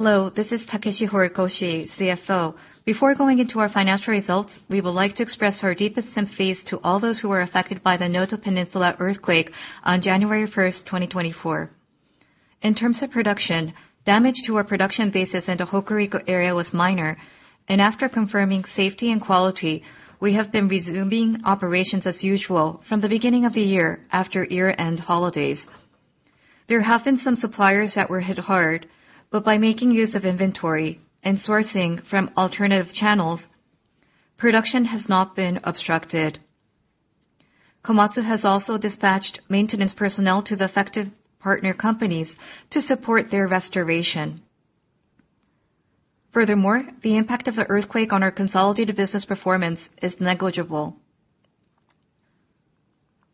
Hello, this is Takeshi Horikoshi, CFO. Before going into our financial results, we would like to express our deepest sympathies to all those who were affected by the Noto Peninsula earthquake on January 1, 2024. In terms of production, damage to our production bases in the Hokuriku area was minor, and after confirming safety and quality, we have been resuming operations as usual from the beginning of the year, after year-end holidays. There have been some suppliers that were hit hard, but by making use of inventory and sourcing from alternative channels, production has not been obstructed. Komatsu has also dispatched maintenance personnel to the affected partner companies to support their restoration. Furthermore, the impact of the earthquake on our consolidated business performance is negligible.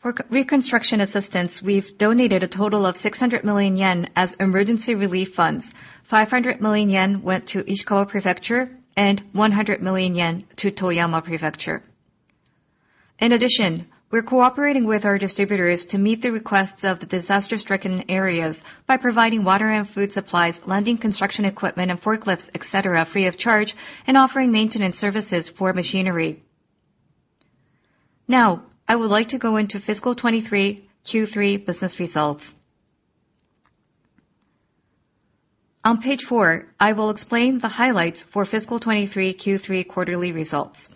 For reconstruction assistance, we've donated a total of 600 million yen as emergency relief funds. 500 million yen went to Ishikawa Prefecture and 100 million yen to Toyama Prefecture. In addition, we're cooperating with our distributors to meet the requests of the disaster-stricken areas by providing water and food supplies, lending construction equipment and forklifts, et cetera, free of charge, and offering maintenance services for machinery. Now, I would like to go into fiscal 2023 Q3 business results. On page four, I will explain the highlights for fiscal 2023 Q3 quarterly results.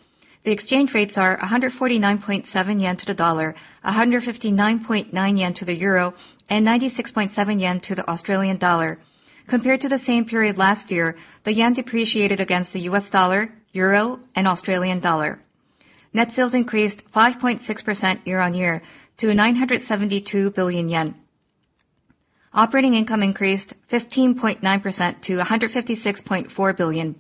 The exchange rates are 149.7 yen to the dollar, 159.9 yen to the euro, and 96.7 yen to the Australian dollar. Compared to the same period last year, the yen depreciated against the U.S. dollar, euro, and Australian dollar. Net sales increased 5.6% year-on-year to 972 billion yen. Operating income increased 15.9% to 156.4 billion.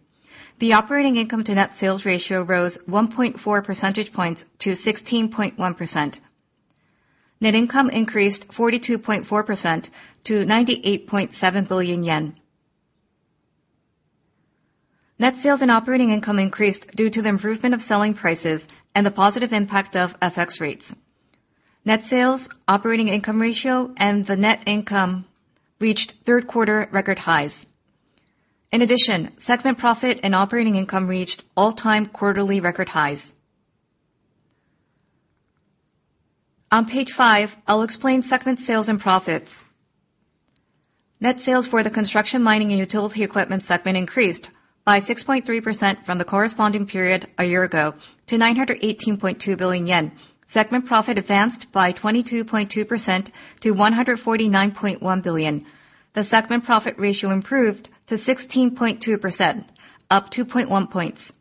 The operating income to net sales ratio rose 1.4 percentage points to 16.1%. Net income increased 42.4% to 98.7 billion yen. Net sales and operating income increased due to the improvement of selling prices and the positive impact of FX rates. Net sales, operating income ratio, and the net income reached third quarter record highs. In addition, segment profit and operating income reached all-time quarterly record highs. On page five, I'll explain segment sales and profits. Net sales for the construction, mining, and utility equipment segment increased by 6.3% from the corresponding period a year ago to 918.2 billion yen. Segment profit advanced by 22.2% to 149.1 billion. The segment profit ratio improved to 16.2%, up 2.1 points.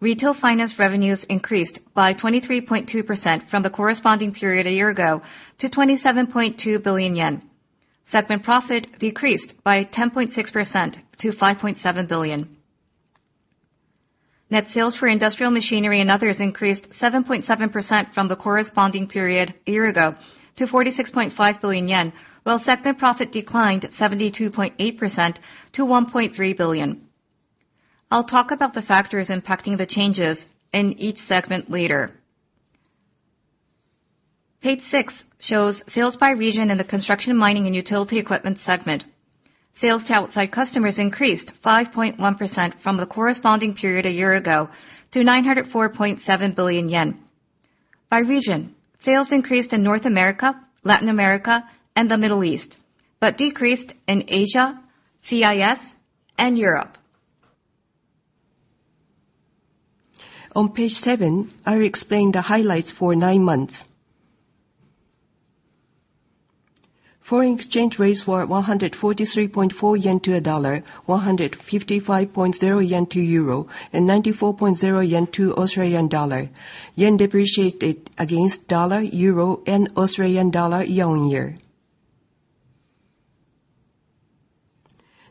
Retail finance revenues increased by 23.2% from the corresponding period a year ago to 27.2 billion yen. Segment profit decreased by 10.6% to 5.7 billion. Net sales for industrial machinery and others increased 7.7% from the corresponding period a year ago to 46.5 billion yen, while segment profit declined 72.8% to 1.3 billion. I'll talk about the factors impacting the changes in each segment later. Page six shows sales by region in the construction, mining, and utility equipment segment. Sales to outside customers increased 5.1% from the corresponding period a year ago to 904.7 billion yen. By region, sales increased in North America, Latin America, and the Middle East, but decreased in Asia, CIS, and Europe. On page seven, I'll explain the highlights for nine months. Foreign exchange rates were 143.4 yen to a dollar, 155.0 yen to euro, and 94.0 yen to Australian dollar. Yen depreciated against dollar, euro, and Australian dollar year-on-year.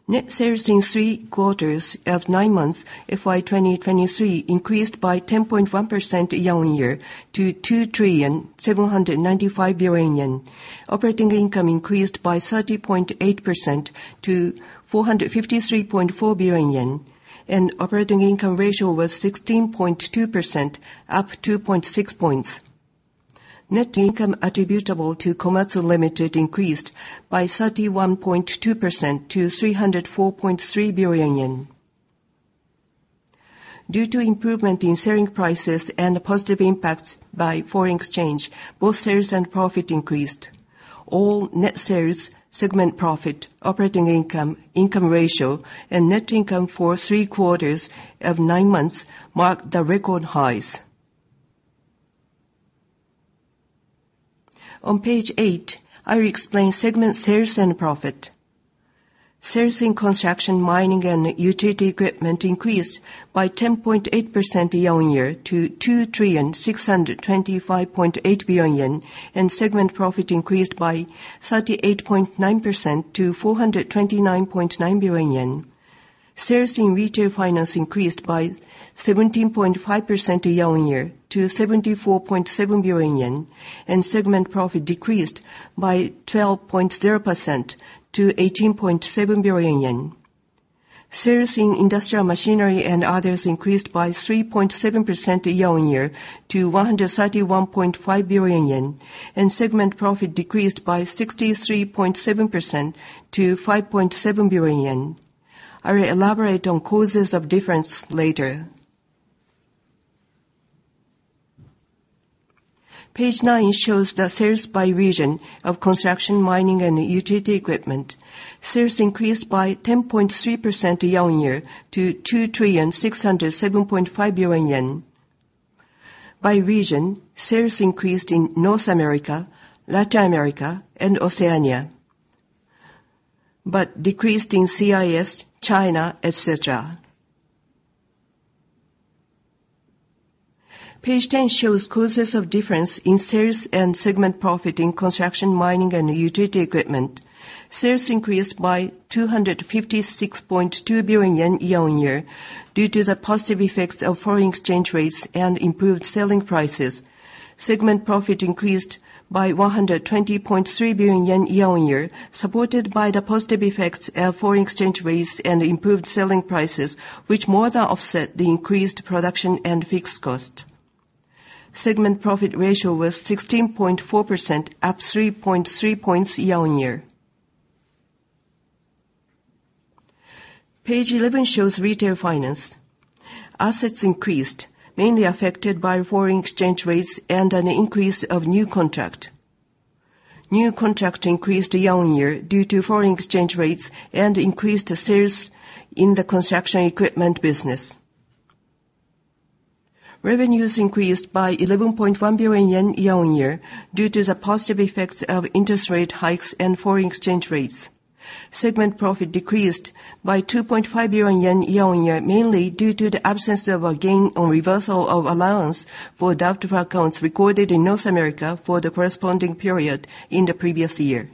Net sales in three quarters of nine months, FY 2023, increased by 10.1% year-on-year to 2,795 billion yen. Operating income increased by 30.8% to 453.4 billion yen, and operating income ratio was 16.2%, up 2.6 points. Net income attributable to Komatsu Limited increased by 31.2% to 304.3 billion yen. Due to improvement in selling prices and positive impacts by foreign exchange, both sales and profit increased. All net sales, segment profit, operating income, income ratio, and net income for three quarters of nine months marked the record highs. On page eight, I will explain segment sales and profit. Sales in construction, mining, and utility equipment increased by 10.8% year-on-year to 2,625.8 billion yen, and segment profit increased by 38.9% to 429.9 billion yen. Sales in retail finance increased by 17.5% year-on-year to 74.7 billion yen, and segment profit decreased by 12.0% to 18.7 billion yen.... Sales in industrial machinery and others increased by 3.7% year-on-year to 131.5 billion yen, and segment profit decreased by 63.7% to 5.7 billion yen. I will elaborate on causes of difference later. Page nine shows the sales by region of construction, mining, and utility equipment. Sales increased by 10.3% year-on-year to 2,607.5 billion yen. By region, sales increased in North America, Latin America, and Oceania, but decreased in CIS, China, et cetera. Page ten shows causes of difference in sales and segment profit in construction, mining, and utility equipment. Sales increased by 256.2 billion yen year-on-year, due to the positive effects of foreign exchange rates and improved selling prices. Segment profit increased by 120.3 billion yen year-on-year, supported by the positive effects of foreign exchange rates and improved selling prices, which more than offset the increased production and fixed cost. Segment profit ratio was 16.4%, up 3.3 points year-on-year. Page eleven shows retail finance. Assets increased, mainly affected by foreign exchange rates and an increase of new contract. New contract increased year-on-year due to foreign exchange rates and increased sales in the construction equipment business. Revenues increased by 11.1 billion yen year-on-year, due to the positive effects of interest rate hikes and foreign exchange rates. Segment profit decreased by 2.5 billion yen year-on-year, mainly due to the absence of a gain on reversal of allowance for doubtful accounts recorded in North America for the corresponding period in the previous year.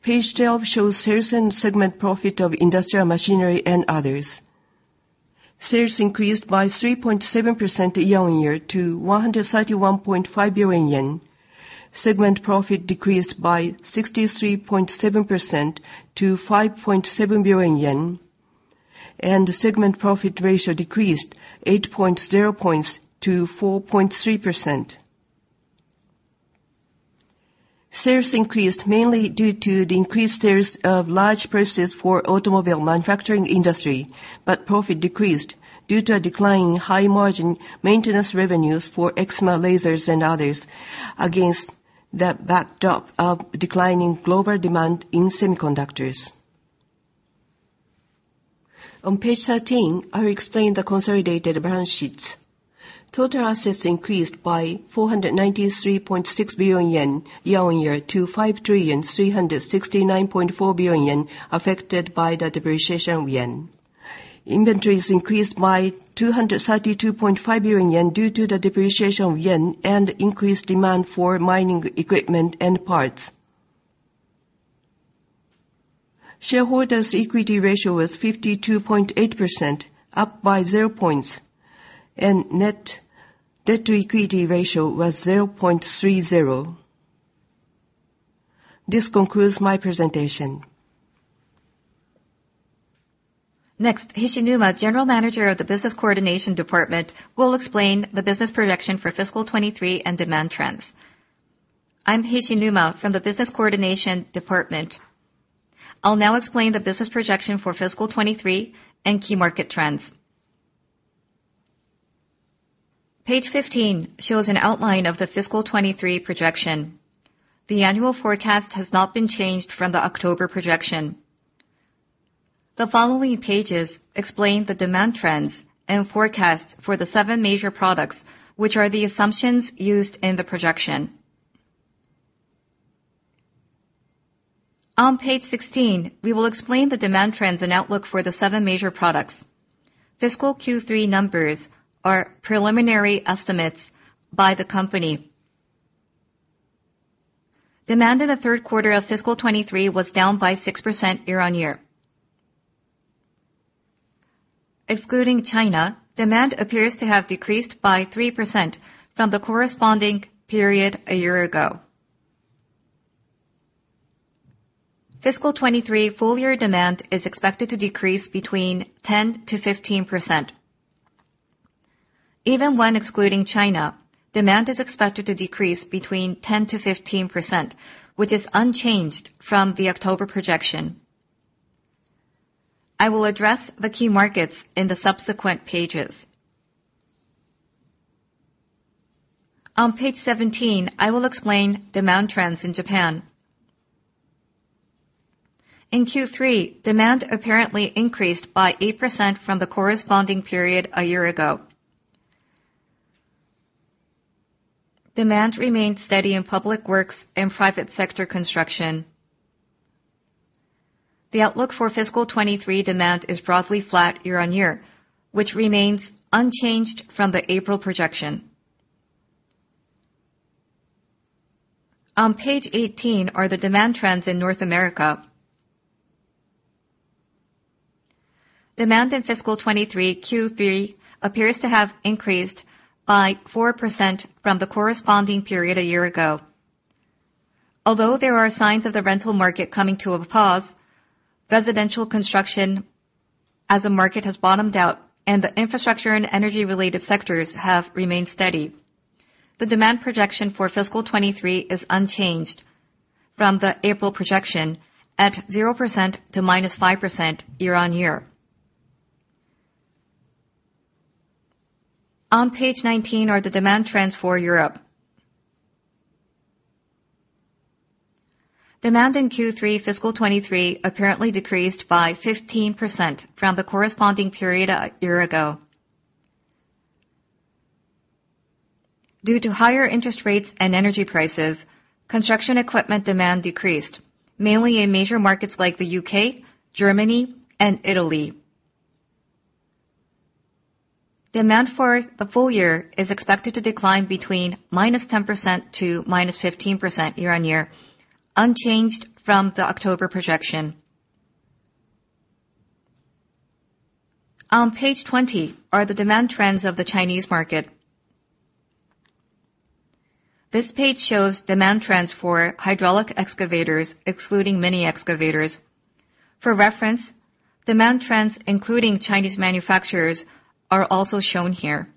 Page 12 shows sales and segment profit of industrial machinery and others. Sales increased by 3.7% year-on-year to 131.5 billion yen. Segment profit decreased by 63.7% to 5.7 billion yen, and the segment profit ratio decreased 8.0 points to 4.3%. Sales increased mainly due to the increased sales of large purchases for automobile manufacturing industry, but profit decreased due to a decline in high margin maintenance revenues for excimer lasers and others, against the backdrop of declining global demand in semiconductors. On page 13, I will explain the consolidated balance sheets. Total assets increased by 493.6 billion yen year-on-year to 5,369.4 billion yen, affected by the depreciation of yen. Inventories increased by 232.5 billion yen, due to the depreciation of yen and increased demand for mining equipment and parts. Shareholders' equity ratio was 52.8%, up by zero points, and net-debt to equity ratio was 0.30. This concludes my presentation. Next, Kiyoshi Hishinuma, General Manager of the Business Coordination Department, will explain the business projection for fiscal 2023 and demand trends. I'm Kiyoshi Hishinuma from the Business Coordination Department. I'll now explain the business projection for fiscal 2023 and key market trends. Page 15 shows an outline of the fiscal 2023 projection. The annual forecast has not been changed from the October projection. The following pages explain the demand trends and forecast for the seven major products, which are the assumptions used in the projection. On page 16, we will explain the demand trends and outlook for the seven major products. Fiscal Q3 numbers are preliminary estimates by the company. Demand in the third quarter of fiscal 2023 was down by 6% year-on-year. Excluding China, demand appears to have decreased by 3% from the corresponding period a year ago. Fiscal 2023 full year demand is expected to decrease between 10%-15%. Even when excluding China, demand is expected to decrease between 10%-15%, which is unchanged from the October projection. I will address the key markets in the subsequent pages. On page 17, I will explain demand trends in Japan. In Q3, demand apparently increased by 8% from the corresponding period a year ago. Demand remained steady in public works and private sector construction. The outlook for fiscal 2023 demand is broadly flat year-on-year, which remains unchanged from the April projection. On page 18 are the demand trends in North America... Demand in fiscal 2023 Q3 appears to have increased by 4% from the corresponding period a year ago. Although there are signs of the rental market coming to a pause, residential construction as a market has bottomed out, and the infrastructure and energy-related sectors have remained steady. The demand projection for fiscal 2023 is unchanged from the April projection, at 0% to -5% year-on-year. On page 19 are the demand trends for Europe. Demand in Q3 fiscal 2023 apparently decreased by 15% from the corresponding period a year ago. Due to higher interest rates and energy prices, construction equipment demand decreased, mainly in major markets like the U.K., Germany, and Italy. Demand for the full year is expected to decline between -10% to -15% year-on-year, unchanged from the October projection. On page 20 are the demand trends of the Chinese market. This page shows demand trends for hydraulic excavators, excluding mini excavators. For reference, demand trends, including Chinese manufacturers, are also shown here.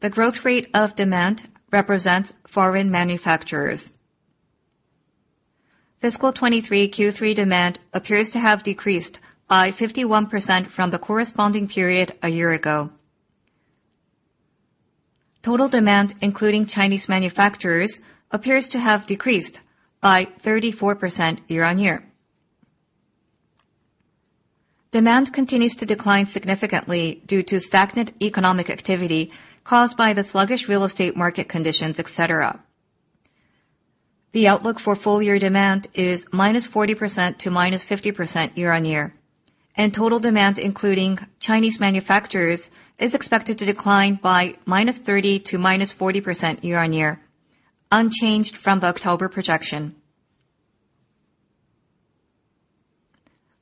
The growth rate of demand represents foreign manufacturers. Fiscal 2023 Q3 demand appears to have decreased by 51% from the corresponding period a year ago. Total demand, including Chinese manufacturers, appears to have decreased by 34% year-on-year. Demand continues to decline significantly due to stagnant economic activity caused by the sluggish real estate market conditions, et cetera. The outlook for full year demand is -40% to -50% year-on-year, and total demand, including Chinese manufacturers, is expected to decline by -30% to -40% year-on-year, unchanged from the October projection.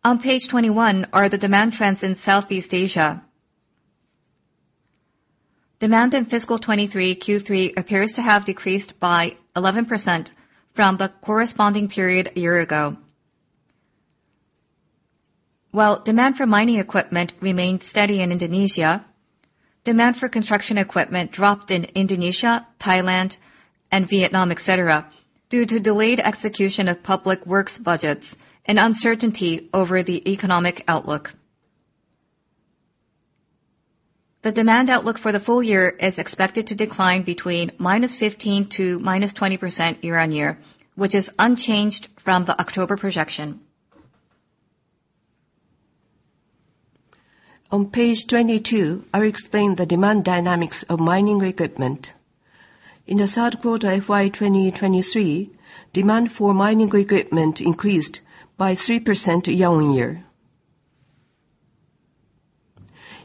On page 21 are the demand trends in Southeast Asia. Demand in fiscal 2023 Q3 appears to have decreased by 11% from the corresponding period a year ago. While demand for mining equipment remained steady in Indonesia, demand for construction equipment dropped in Indonesia, Thailand, and Vietnam, et cetera, due to delayed execution of public works budgets and uncertainty over the economic outlook. The demand outlook for the full year is expected to decline between -15% to -20% year-on-year, which is unchanged from the October projection. On page 22, I'll explain the demand dynamics of mining equipment. In the third quarter FY2023, demand for mining equipment increased by 3% year-on-year.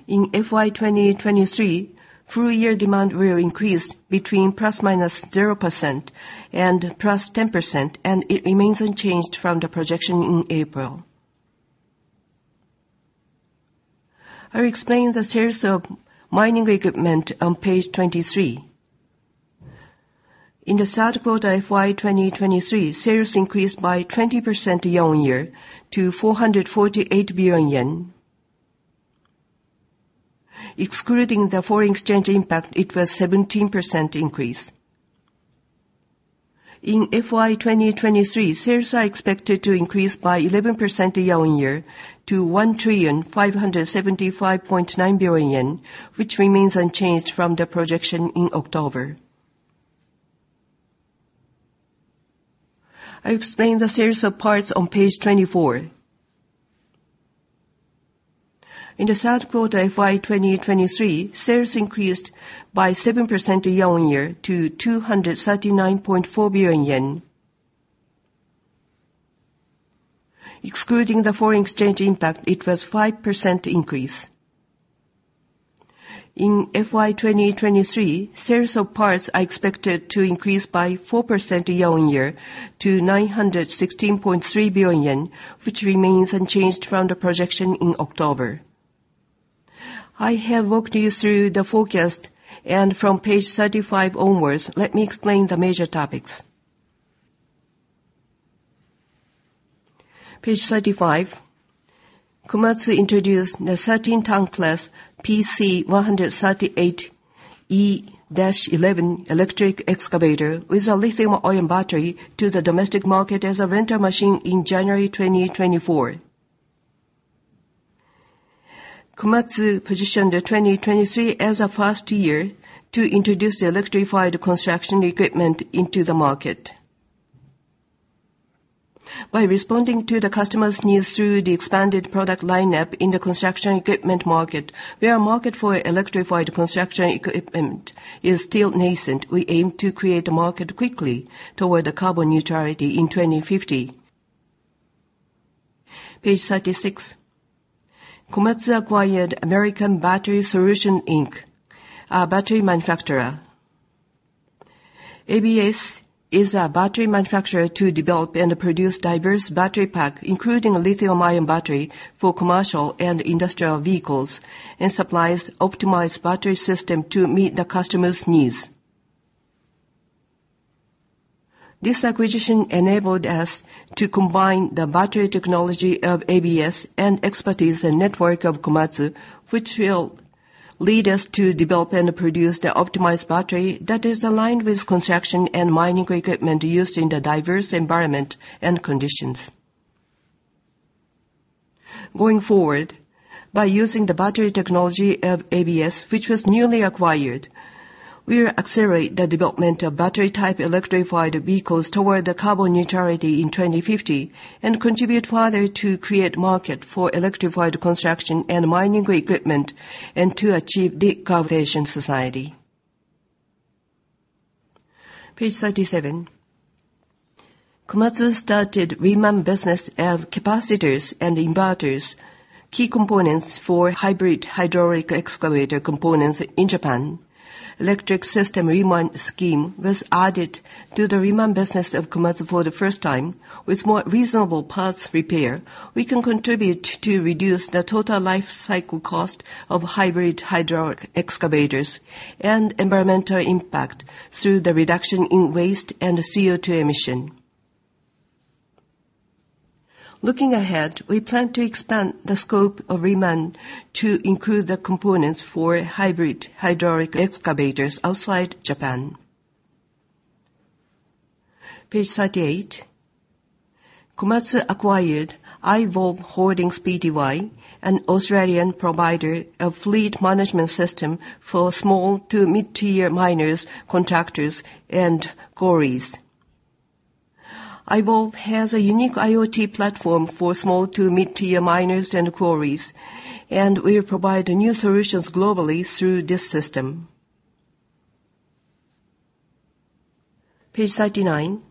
In FY2023, full year demand will increase between ±0% and +10%, and it remains unchanged from the projection in April. I explain the sales of mining equipment on page 23. In the third quarter FY2023, sales increased by 20% year-on-year to JPY 448 billion. Excluding the foreign exchange impact, it was 17% increase. In FY2023, sales are expected to increase by 11% year-on-year to 1,575.9 billion yen, which remains unchanged from the projection in October. I explain the sales of parts on page 24. In the third quarter FY2023, sales increased by 7% year-on-year to JPY 239.4 billion. Excluding the foreign exchange impact, it was a 5% increase. In FY2023, sales of parts are expected to increase by 4% year-on-year to 916.3 billion yen, which remains unchanged from the projection in October. I have walked you through the forecast, and from page 35 onwards, let me explain the major topics. Page 35, Komatsu introduced the 13-ton class PC138E-11 electric excavator with a lithium-ion battery to the domestic market as a rental machine in January 2024. Komatsu positioned 2023 as a first year to introduce the electrified construction equipment into the market. By responding to the customers' needs through the expanded product lineup in the construction equipment market, where a market for electrified construction equipment is still nascent, we aim to create a market quickly toward the carbon neutrality in 2050. Page 36, Komatsu acquired American Battery Solutions Inc., a battery manufacturer. ABS is a battery manufacturer to develop and produce diverse battery pack, including a lithium-ion battery for commercial and industrial vehicles, and supplies optimized battery system to meet the customer's needs. This acquisition enabled us to combine the battery technology of ABS and expertise and network of Komatsu, which will lead us to develop and produce the optimized battery that is aligned with construction and mining equipment used in the diverse environment and conditions. Going forward, by using the battery technology of ABS, which was newly acquired, we will accelerate the development of battery-type electrified vehicles toward the carbon neutrality in 2050, and contribute further to create market for electrified construction and mining equipment, and to achieve decarbonization society. Page 37. Komatsu started Reman business of capacitors and inverters, key components for hybrid hydraulic excavator components in Japan. Electric system Reman scheme was added to the Reman business of Komatsu for the first time. With more reasonable parts repair, we can contribute to reduce the total life cycle cost of hybrid hydraulic excavators and environmental impact through the reduction in waste and CO2 emissions. Looking ahead, we plan to expand the scope of Reman to include the components for hybrid hydraulic excavators outside Japan. Page 38. Komatsu acquired iVolve Holdings Pty, an Australian provider of fleet management system for small to mid-tier miners, contractors, and quarries. iVolve has a unique IoT platform for small to mid-tier miners and quarries, and we provide new solutions globally through this system. Page 39.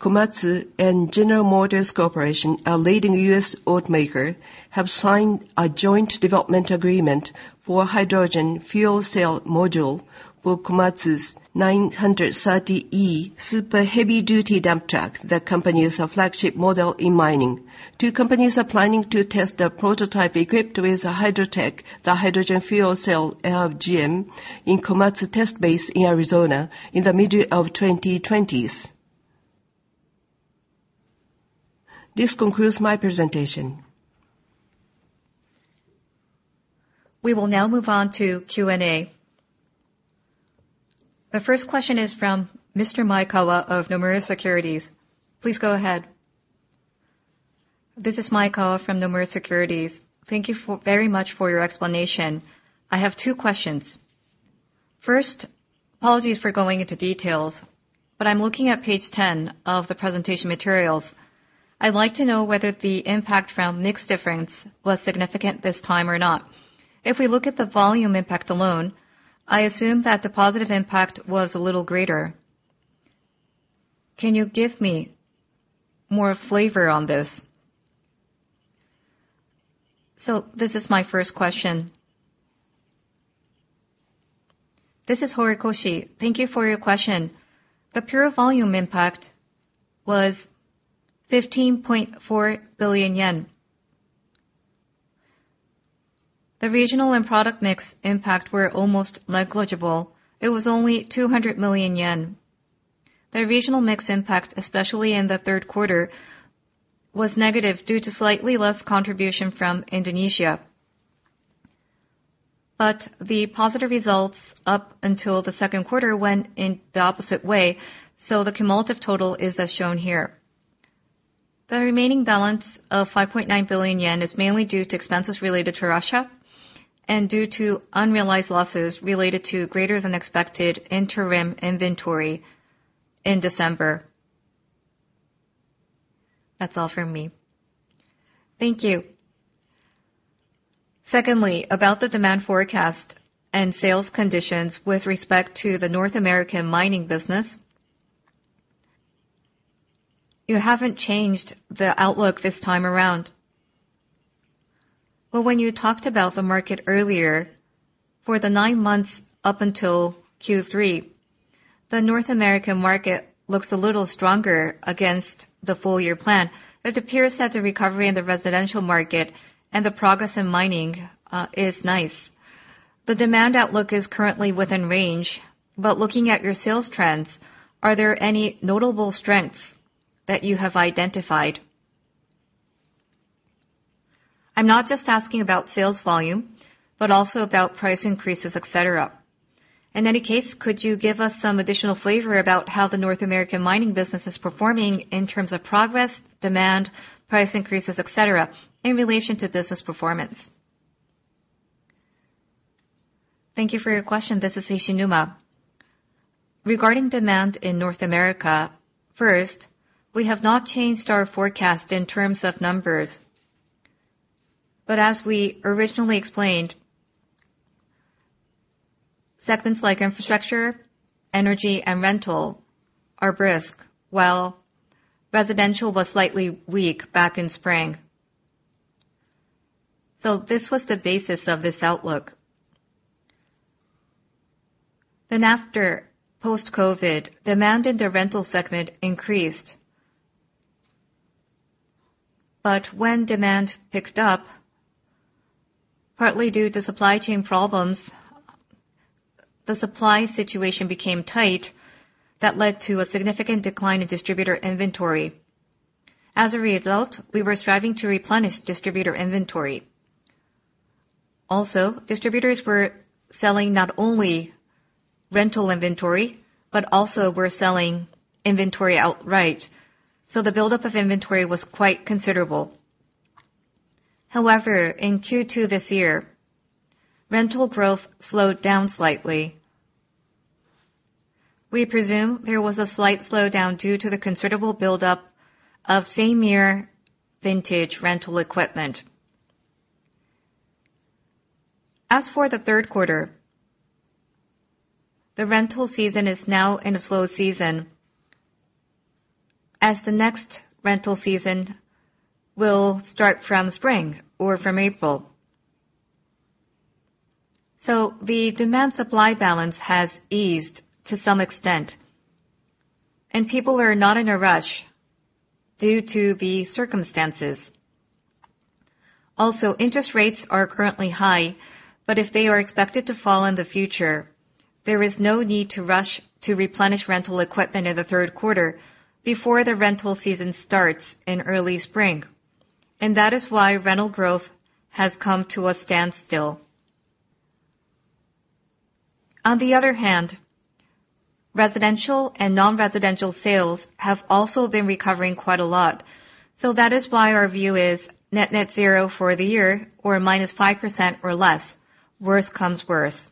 Komatsu and General Motors Corporation, a leading U.S. automaker, have signed a joint development agreement for hydrogen fuel cell module for Komatsu's 930E super heavy-duty dump truck, that company is a flagship model in mining. Two companies are planning to test the prototype equipped with a Hydrotec, the hydrogen fuel cell of GM, in Komatsu test base in Arizona in the middle of the 2020s. This concludes my presentation. We will now move on to Q&A. The first question is from Mr. Maekawa of Nomura Securities. Please go ahead. This is Maekawa from Nomura Securities. Thank you very much for your explanation. I have two questions. First, apologies for going into details, but I'm looking at page 10 of the presentation materials. I'd like to know whether the impact from mix difference was significant this time or not. If we look at the volume impact alone, I assume that the positive impact was a little greater. Can you give me more flavor on this? So this is my first question. This is Horikoshi. Thank you for your question. The pure volume impact was JPY 15.4 billion. The regional and product mix impact were almost negligible. It was only 200 million yen. The regional mix impact, especially in the third quarter, was negative due to slightly less contribution from Indonesia, but the positive results up until the second quarter went in the opposite way, so the cumulative total is as shown here. The remaining balance of 5.9 billion yen is mainly due to expenses related to Russia, and due to unrealized losses related to greater than expected interim inventory in December. That's all from me. Thank you. Secondly, about the demand forecast and sales conditions with respect to the North American mining business, you haven't changed the outlook this time around. But when you talked about the market earlier, for the nine months up until Q3, the North American market looks a little stronger against the full year plan. It appears that the recovery in the residential market and the progress in mining, is nice. The demand outlook is currently within range, but looking at your sales trends, are there any notable strengths that you have identified? I'm not just asking about sales volume, but also about price increases, et cetera. In any case, could you give us some additional flavor about how the North American mining business is performing in terms of progress, demand, price increases, et cetera, in relation to business performance? Thank you for your question. This is Hishinuma. Regarding demand in North America, first, we have not changed our forecast in terms of numbers, but as we originally explained, segments like infrastructure, energy, and rental are brisk, while residential was slightly weak back in spring.... So this was the basis of this outlook. Then after post-COVID, demand in the rental segment increased. But when demand picked up, partly due to supply chain problems, the supply situation became tight. That led to a significant decline in distributor inventory. As a result, we were striving to replenish distributor inventory. Also, distributors were selling not only rental inventory, but also were selling inventory outright, so the buildup of inventory was quite considerable. However, in Q2 this year, rental growth slowed down slightly. We presume there was a slight slowdown due to the considerable buildup of same-year vintage rental equipment. As for the third quarter, the rental season is now in a slow season, as the next rental season will start from spring or from April. So the demand-supply balance has eased to some extent, and people are not in a rush due to the circumstances. Also, interest rates are currently high, but if they are expected to fall in the future, there is no need to rush to replenish rental equipment in the third quarter before the rental season starts in early spring, and that is why rental growth has come to a standstill. On the other hand, residential and non-residential sales have also been recovering quite a lot, so that is why our view is net net zero for the year, or minus 5% or less, worse comes worse.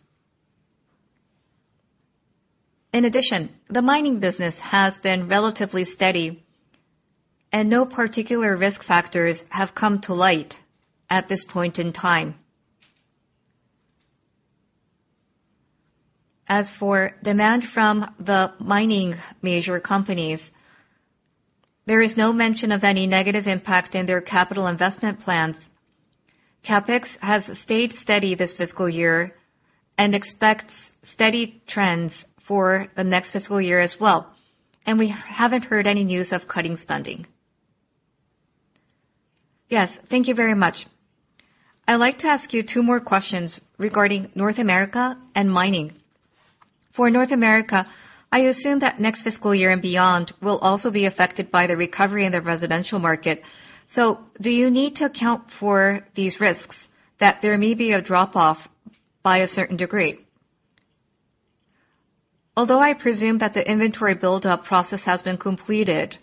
In addition, the mining business has been relatively steady, and no particular risk factors have come to light at this point in time. As for demand from the mining major companies, there is no mention of any negative impact in their capital investment plans. CapEx has stayed steady this fiscal year and expects steady trends for the next fiscal year as well, and we haven't heard any news of cutting spending. Yes, thank you very much. I'd like to ask you two more questions regarding North America and mining. For North America, I assume that next fiscal year and beyond will also be affected by the recovery in the residential market. So do you need to account for these risks, that there may be a drop-off by a certain degree? Although I presume that the inventory buildup process has been completed,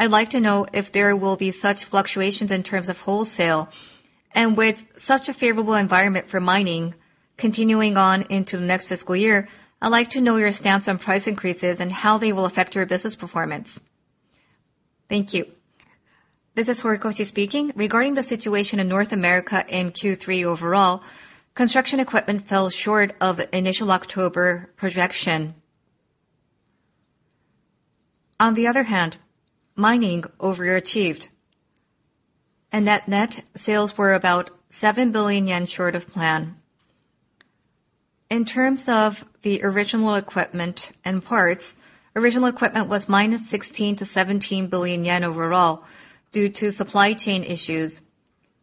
I'd like to know if there will be such fluctuations in terms of wholesale. And with such a favorable environment for mining continuing on into the next fiscal year, I'd like to know your stance on price increases and how they will affect your business performance. Thank you. This is Horikoshi speaking. Regarding the situation in North America in Q3 overall, construction equipment fell short of initial October projection. On the other hand, mining overachieved, and net net sales were about 7 billion yen short of plan. In terms of the original equipment and parts, original equipment was -16 billion-17 billion yen overall due to supply chain issues,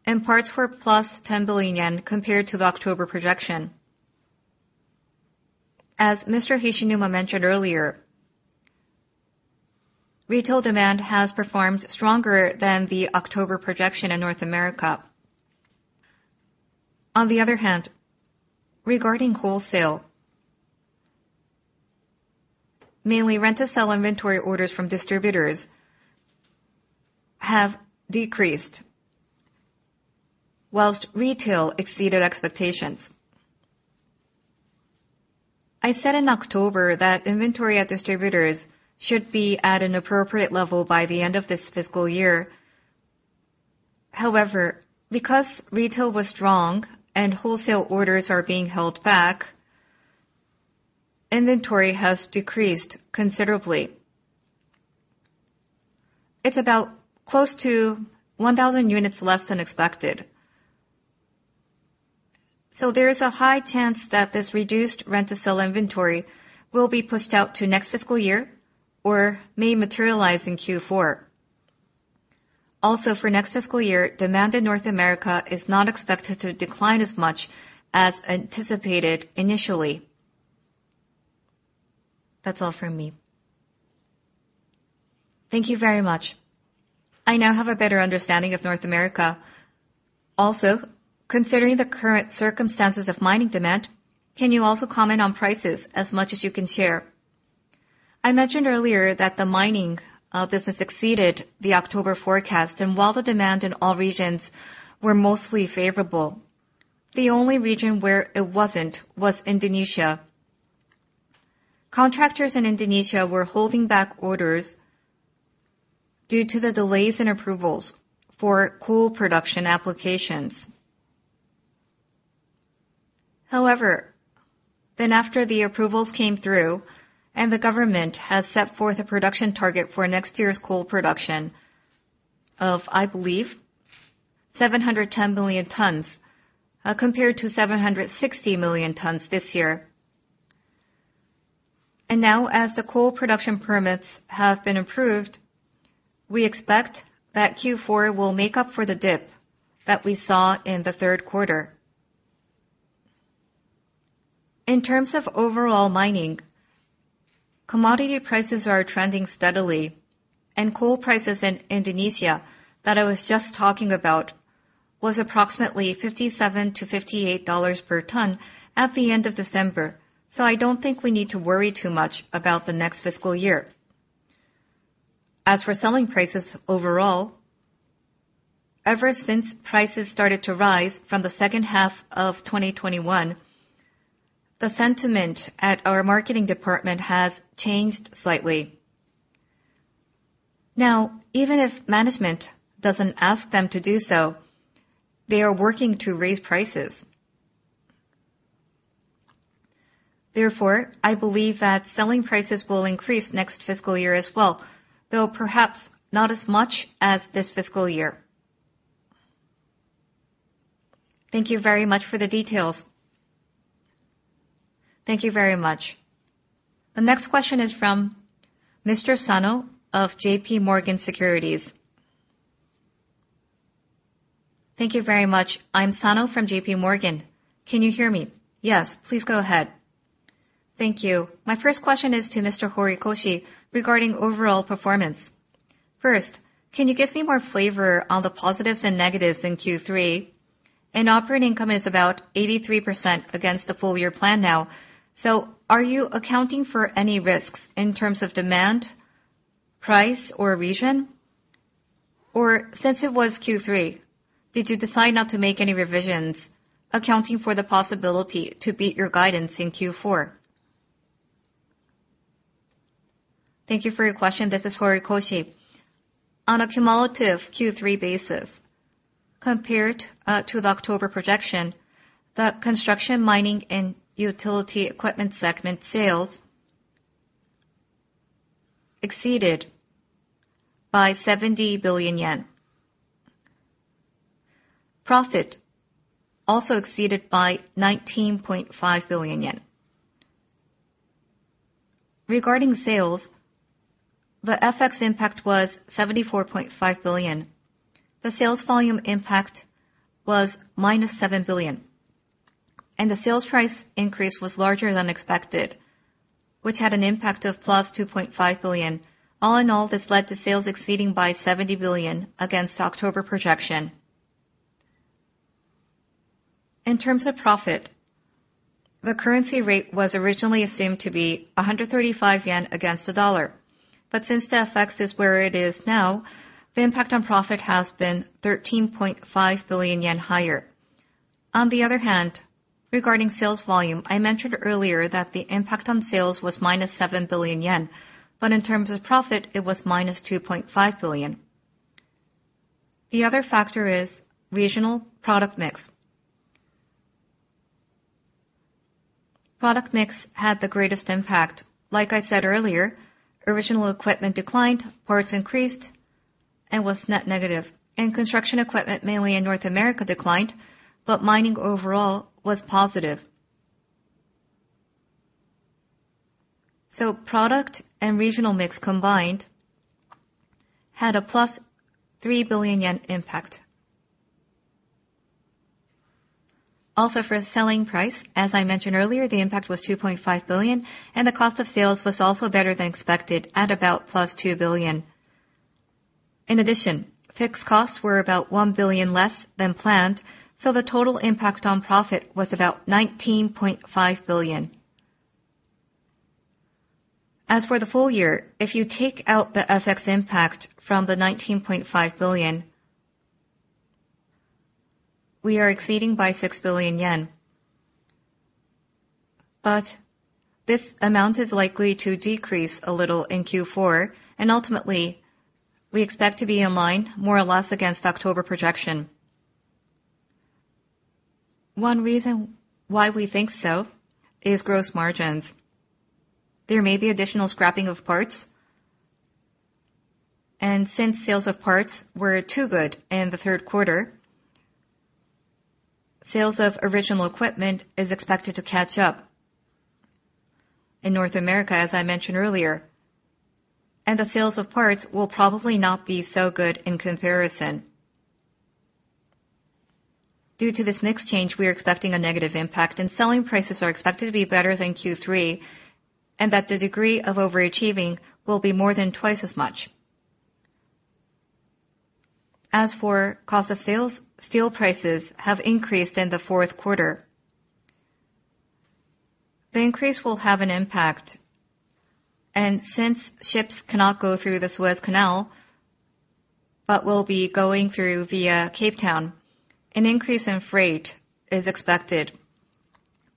and parts were plus 10 billion yen compared to the October projection. As Mr. Hishinuma mentioned earlier, retail demand has performed stronger than the October projection in North America. On the other hand, regarding wholesale, mainly rent-to-sell inventory orders from distributors have decreased, while retail exceeded expectations. I said in October that inventory at distributors should be at an appropriate level by the end of this fiscal year. However, because retail was strong and wholesale orders are being held back, inventory has decreased considerably. It's about close to 1,000 units less than expected. So there is a high chance that this reduced rent-to-sell inventory will be pushed out to next fiscal year or may materialize in Q4. Also, for next fiscal year, demand in North America is not expected to decline as much as anticipated initially. That's all from me. Thank you very much. I now have a better understanding of North America. Also, considering the current circumstances of mining demand, can you also comment on prices as much as you can share? I mentioned earlier that the mining business exceeded the October forecast, and while the demand in all regions were mostly favorable, the only region where it wasn't was Indonesia. Contractors in Indonesia were holding back orders due to the delays in approvals for coal production applications.... However, then after the approvals came through, and the government has set forth a production target for next year's coal production of, I believe, 710 million tons, compared to 760 million tons this year. And now, as the coal production permits have been approved, we expect that Q4 will make up for the dip that we saw in the third quarter. In terms of overall mining, commodity prices are trending steadily, and coal prices in Indonesia that I was just talking about was approximately $57-$58 per ton at the end of December. So I don't think we need to worry too much about the next fiscal year. As for selling prices overall, ever since prices started to rise from the second half of 2021, the sentiment at our marketing department has changed slightly. Now, even if management doesn't ask them to do so, they are working to raise prices. Therefore, I believe that selling prices will increase next fiscal year as well, though perhaps not as much as this fiscal year. Thank you very much for the details. Thank you very much. The next question is from Mr. Sano of JPMorgan Securities. Thank you very much. I'm Sano from JPMorgan. Can you hear me? Yes, please go ahead. Thank you. My first question is to Mr. Horikoshi regarding overall performance. First, can you give me more flavor on the positives and negatives in Q3? And operating income is about 83% against the full year plan now, so are you accounting for any risks in terms of demand, price, or region? Or since it was Q3, did you decide not to make any revisions, accounting for the possibility to beat your guidance in Q4? Thank you for your question. This is Horikoshi. On a cumulative Q3 basis, compared to the October projection, the construction, mining, and utility equipment segment sales exceeded by JPY 70 billion. Profit also exceeded by 19.5 billion yen. Regarding sales, the FX impact was 74.5 billion, the sales volume impact was -7 billion, and the sales price increase was larger than expected, which had an impact of +2.5 billion. All in all, this led to sales exceeding by 70 billion against October projection. In terms of profit, the currency rate was originally assumed to be 135 yen against the dollar, but since the FX is where it is now, the impact on profit has been 13.5 billion yen higher. On the other hand, regarding sales volume, I mentioned earlier that the impact on sales was -7 billion yen, but in terms of profit, it was -2.5 billion. The other factor is regional product mix. Product mix had the greatest impact. Like I said earlier, original equipment declined, parts increased, and was net negative, and construction equipment, mainly in North America, declined, but mining overall was positive. So product and regional mix combined had a +3 billion yen impact. Also, for selling price, as I mentioned earlier, the impact was 2.5 billion, and the cost of sales was also better than expected at about +2 billion. In addition, fixed costs were about 1 billion less than planned, so the total impact on profit was about 19.5 billion. As for the full year, if you take out the FX impact from the 19.5 billion, we are exceeding by 6 billion yen. But this amount is likely to decrease a little in Q4, and ultimately, we expect to be in line more or less against October projection. One reason why we think so is gross margins. There may be additional scrapping of parts, and since sales of parts were too good in the third quarter, sales of original equipment is expected to catch up in North America, as I mentioned earlier, and the sales of parts will probably not be so good in comparison. Due to this mix change, we are expecting a negative impact, and selling prices are expected to be better than Q3, and that the degree of overachieving will be more than twice as much. As for cost of sales, steel prices have increased in the fourth quarter. The increase will have an impact, and since ships cannot go through the Suez Canal, but will be going through via Cape Town, an increase in freight is expected.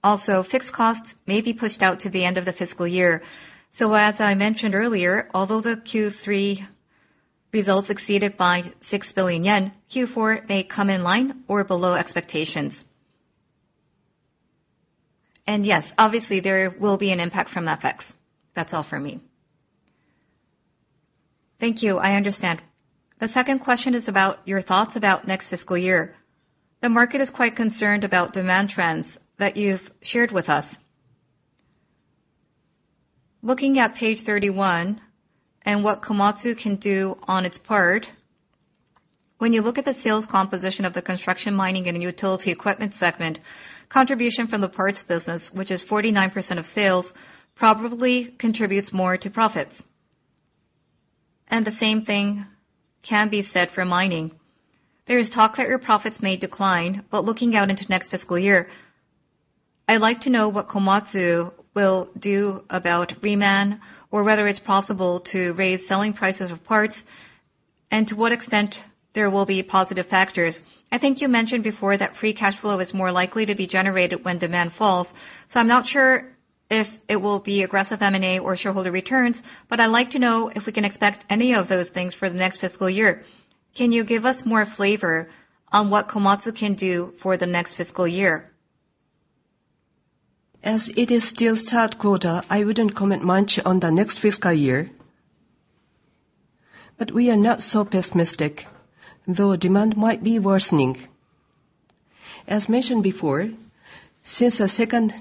Also, fixed costs may be pushed out to the end of the fiscal year. So as I mentioned earlier, although the Q3-... results exceeded by 6 billion yen, Q4 may come in line or below expectations. And yes, obviously, there will be an impact from FX. That's all for me. Thank you, I understand. The second question is about your thoughts about next fiscal year. The market is quite concerned about demand trends that you've shared with us. Looking at page 31 and what Komatsu can do on its part, when you look at the sales composition of the construction, mining, and utility equipment segment, contribution from the parts business, which is 49% of sales, probably contributes more to profits. The same thing can be said for mining. There is talk that your profits may decline, but looking out into next fiscal year, I'd like to know what Komatsu will do about Reman, or whether it's possible to raise selling prices of parts, and to what extent there will be positive factors. I think you mentioned before that free cash flow is more likely to be generated when demand falls, so I'm not sure if it will be aggressive M&A or shareholder returns, but I'd like to know if we can expect any of those things for the next fiscal year. Can you give us more flavor on what Komatsu can do for the next fiscal year? As it is still third quarter, I wouldn't comment much on the next fiscal year, but we are not so pessimistic, though demand might be worsening. As mentioned before, since the second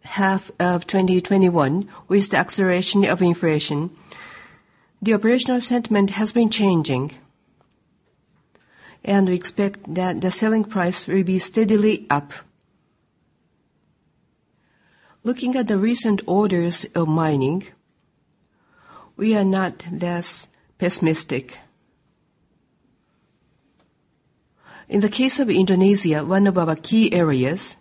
half of 2021, with the acceleration of inflation, the operational sentiment has been changing, and we expect that the selling price will be steadily up. Looking at the recent orders of mining, we are not less pessimistic. In the case of Indonesia, one of our key areas,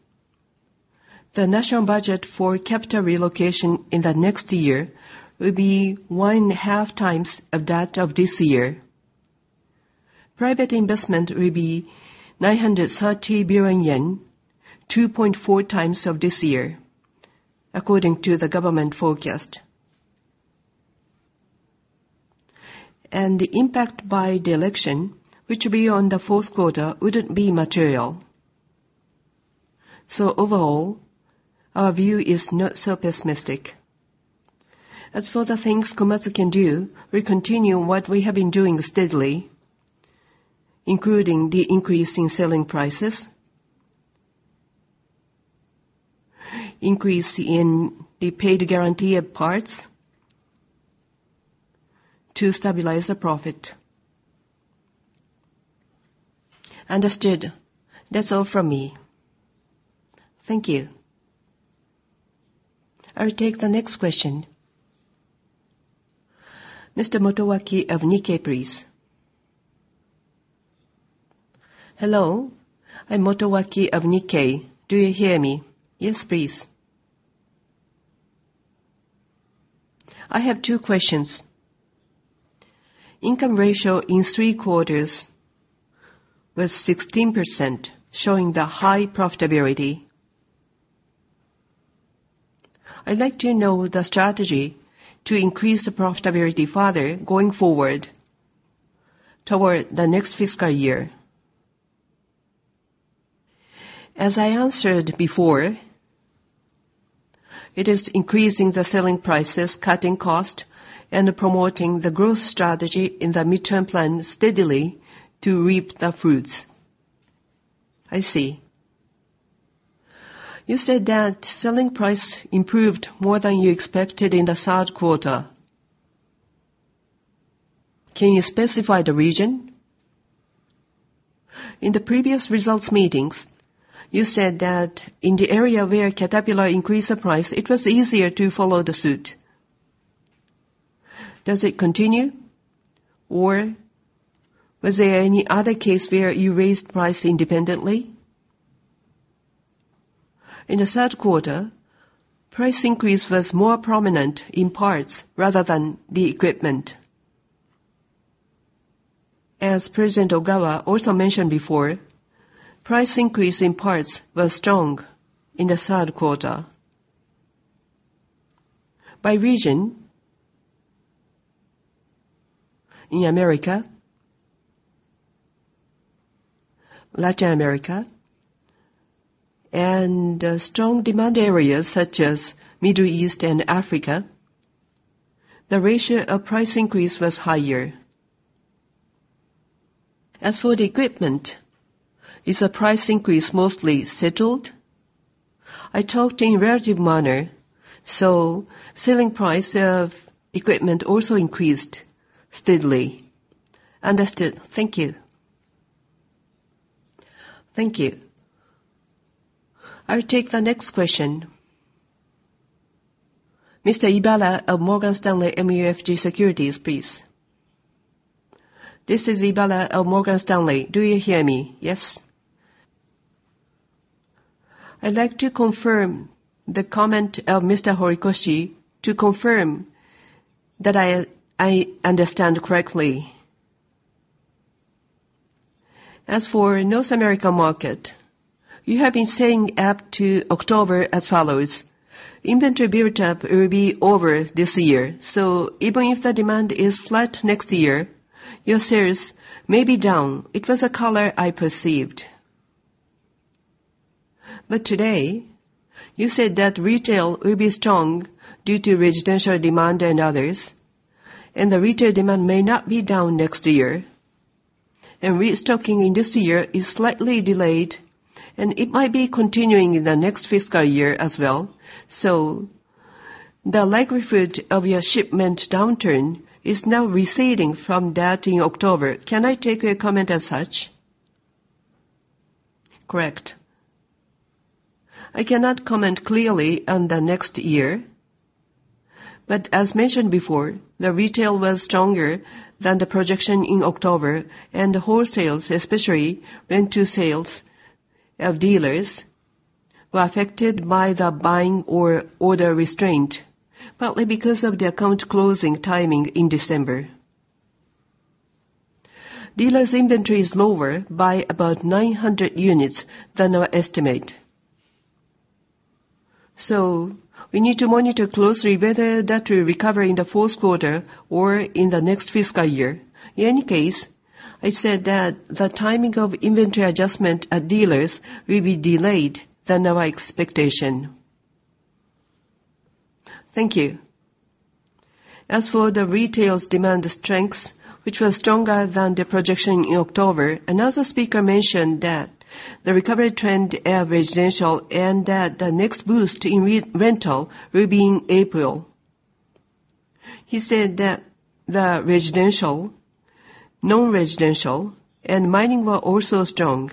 the national budget for capital relocation in the next year will be 1.5 times of that of this year. Private investment will be 930 billion yen, 2.4 times of this year, according to the government forecast. The impact by the election, which will be on the fourth quarter, wouldn't be material. Overall, our view is not so pessimistic. As for the things Komatsu can do, we continue what we have been doing steadily, including the increase in selling prices, increase in the paid guarantee of parts to stabilize the profit. Understood. That's all from me. Thank you. I'll take the next question. Mr. Motoaki of Nikkei, please. Hello, I'm Motoaki of Nikkei. Do you hear me? Yes, please. I have two questions. Income ratio in three quarters was 16%, showing the high profitability. I'd like to know the strategy to increase the profitability further going forward toward the next fiscal year. As I answered before, it is increasing the selling prices, cutting cost, and promoting the growth strategy in the midterm plan steadily to reap the fruits. I see. You said that selling price improved more than you expected in the third quarter. Can you specify the region? In the previous results meetings, you said that in the area where Caterpillar increased the price, it was easier to follow suit. Does it continue, or was there any other case where you raised price independently? In the third quarter, price increase was more prominent in parts rather than the equipment. As President Ogawa also mentioned before, price increase in parts was strong in the third quarter. By region, in America, Latin America, and strong demand areas such as Middle East and Africa, the ratio of price increase was higher. As for the equipment, is the price increase mostly settled? I talked in relative manner, so selling price of equipment also increased steadily. Understood. Thank you. Thank you. I'll take the next question. Mr. Ibara of Morgan Stanley MUFG Securities, please. This is Ibara of Morgan Stanley. Do you hear me? Yes. I'd like to confirm the comment of Mr. Horikoshi to confirm that I understand correctly. As for North American market, you have been saying up to October as follows: inventory build-up will be over this year. So even if the demand is flat next year, your sales may be down. It was a color I perceived. But today, you said that retail will be strong due to residential demand and others, and the retail demand may not be down next year. And restocking in this year is slightly delayed, and it might be continuing in the next fiscal year as well. So the likelihood of your shipment downturn is now receding from that in October. Can I take your comment as such? Correct. I cannot comment clearly on the next year, but as mentioned before, the retail was stronger than the projection in October, and the wholesale sales, especially rental sales of dealers, were affected by the buying or order restraint, partly because of the account closing timing in December. Dealers' inventory is lower by about 900 units than our estimate. So we need to monitor closely whether that will recover in the fourth quarter or in the next fiscal year. In any case, I said that the timing of inventory adjustment at dealers will be delayed than our expectation. Thank you. As for the retail's demand strengths, which was stronger than the projection in October, another speaker mentioned that the recovery trend at residential and that the next boost in re- rental will be in April. He said that the residential, non-residential, and mining were also strong.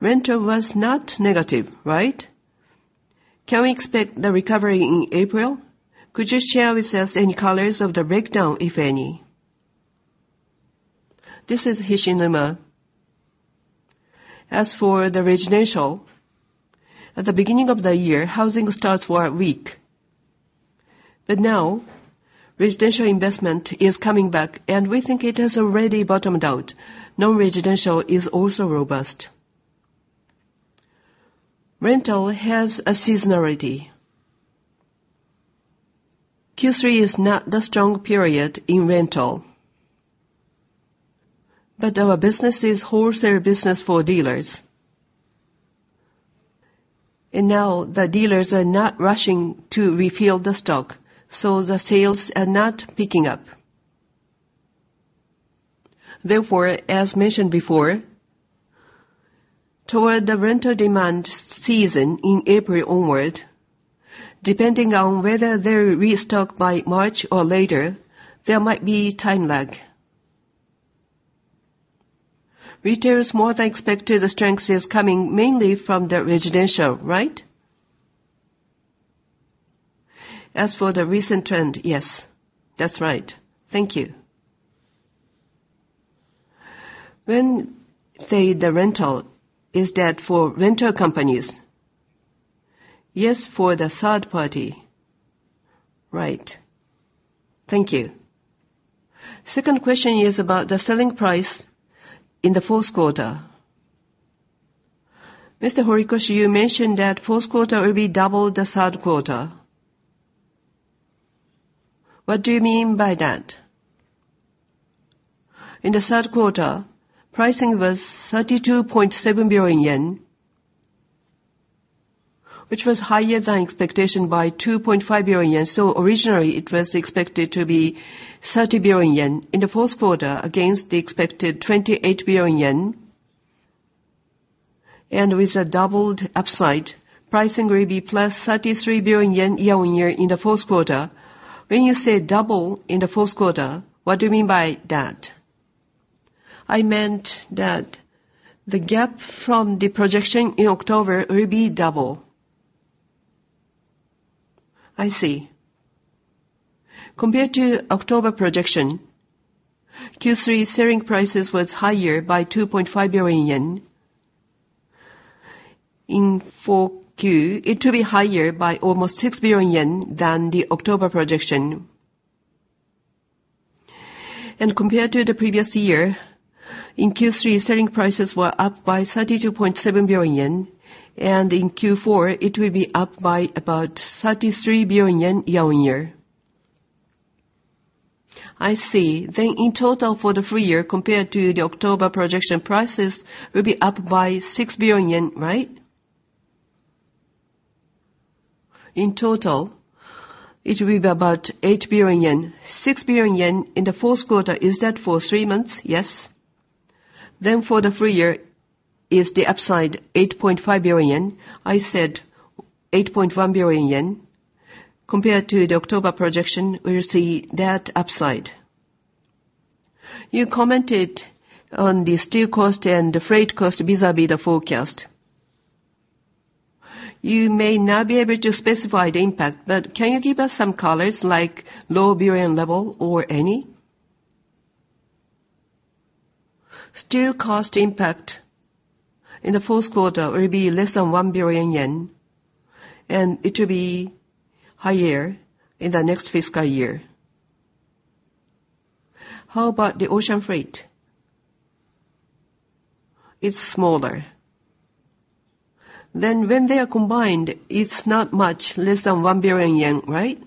Rental was not negative, right? Can we expect the recovery in April? Could you share with us any colors of the breakdown, if any? This is Hishinuma. As for the residential, at the beginning of the year, housing starts were weak. But now, residential investment is coming back, and we think it has already bottomed out. Non-residential is also robust. Rental has a seasonality. Q3 is not the strong period in rental, but our business is wholesale business for dealers. And now, the dealers are not rushing to refill the stock, so the sales are not picking up. Therefore, as mentioned before, toward the rental demand season in April onward, depending on whether they restock by March or later, there might be time lag. Retail is more than expected; the strength is coming mainly from the residential, right? As for the recent trend, yes, that's right. Thank you. When you say the rental, is that for rental companies? Yes, for the third party. Right. Thank you. Second question is about the selling price in the fourth quarter. Mr. Horikoshi, you mentioned that fourth quarter will be double the third quarter. What do you mean by that? In the third quarter, pricing was 32.7 billion yen, which was higher than expectation by 2.5 billion yen. Originally, it was expected to be 30 billion yen. In the fourth quarter, against the expected 28 billion yen, and with a doubled upside, pricing will be plus 33 billion yen year-on-year in the fourth quarter. When you say double in the fourth quarter, what do you mean by that? I meant that the gap from the projection in October will be double. I see. Compared to October projection, Q3 selling prices was higher by 2.5 billion yen. In 4Q, it will be higher by almost 6 billion yen than the October projection. Compared to the previous year, in Q3, selling prices were up by 32.7 billion yen, and in Q4, it will be up by about 33 billion yen year-on-year. I see. Then in total for the full year, compared to the October projection, prices will be up by 6 billion yen, right? In total, it will be about 8 billion yen. 6 billion yen in the fourth quarter, is that for three months? Yes. Then for the full year is the upside 8.5 billion yen? I said 8.1 billion yen. Compared to the October projection, we will see that upside. You commented on the steel cost and the freight cost vis-a-vis the forecast. You may not be able to specify the impact, but can you give us some colors, like low billion level or any? Steel cost impact in the fourth quarter, it will be less than 1 billion yen, and it will be higher in the next fiscal year. How about the ocean freight? It's smaller. Then when they are combined, it's not much less than 1 billion yen, right?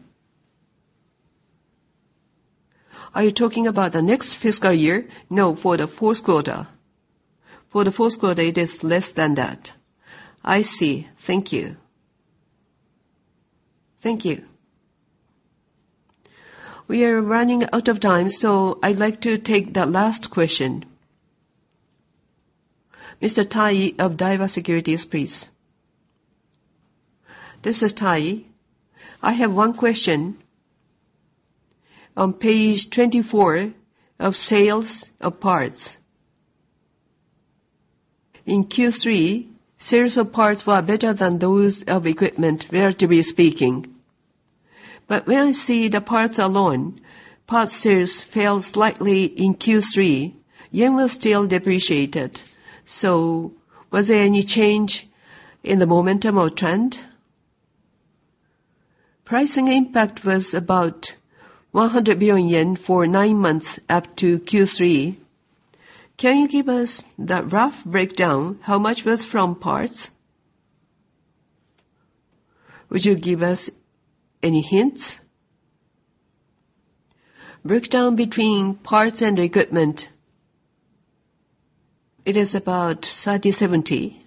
Are you talking about the next fiscal year? No, for the fourth quarter. For the fourth quarter, it is less than that. I see. Thank you. Thank you. We are running out of time, so I'd like to take the last question. Mr. Tai of Daiwa Securities, please. This is Tai. I have one question. On page 24 of sales of parts, in Q3, sales of parts were better than those of equipment, relatively speaking. But when we see the parts alone, parts sales fell slightly in Q3, yen was still depreciated. So was there any change in the momentum or trend? Pricing impact was about 100 billion yen for nine months up to Q3. Can you give us the rough breakdown? How much was from parts? Would you give us any hints? Breakdown between parts and equipment. It is about 30/70.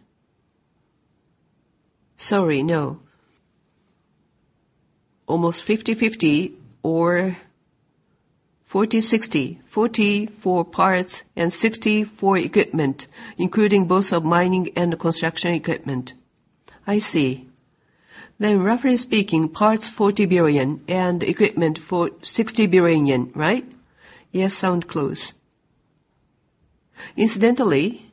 Sorry, no. Almost 50/50 or 40/60. 40 for parts and 60 for equipment, including both of mining and construction equipment. I see. Then roughly speaking, parts, 40 billion, and equipment, 60 billion yen, right? Yes, sounds close. Incidentally,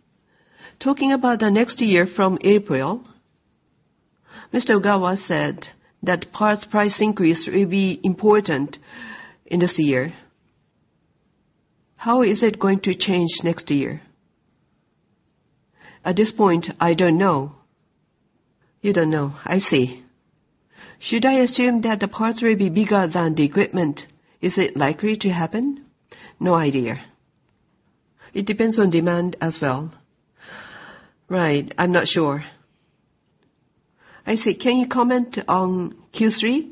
talking about the next year from April, Mr. Ogawa said that parts price increase will be important in this year. How is it going to change next year? At this point, I don't know. You don't know? I see. Should I assume that the parts will be bigger than the equipment? Is it likely to happen? No idea. It depends on demand as well. Right. I'm not sure. I see. Can you comment on Q3?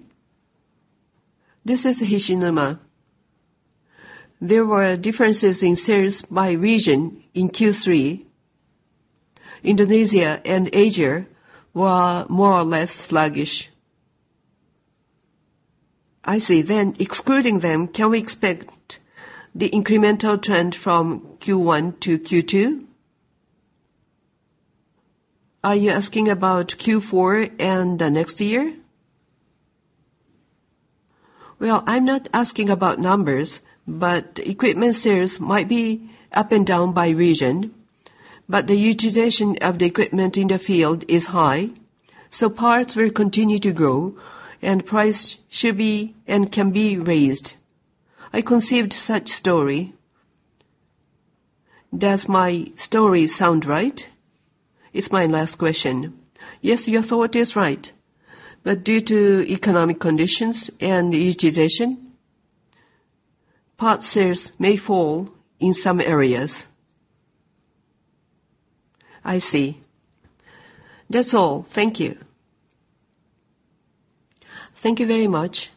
This is Hishinuma. There were differences in sales by region in Q3. Indonesia and Asia were more or less sluggish. I see. Then, excluding them, can we expect the incremental trend from Q1 to Q2? Are you asking about Q4 and the next year? Well, I'm not asking about numbers, but equipment sales might be up and down by region, but the utilization of the equipment in the field is high, so parts will continue to grow and price should be and can be raised. I conceived such story. Does my story sound right? It's my last question. Yes, your thought is right, but due to economic conditions and utilization, part sales may fall in some areas. I see. That's all. Thank you. Thank you very much.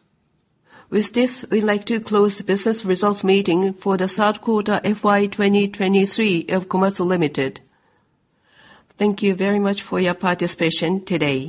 With this, we'd like to close the business results meeting for the third quarter, FY 2023 of Komatsu Limited. Thank you very much for your participation today.